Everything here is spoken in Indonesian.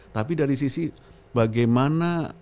tapi dari sisi bagaimana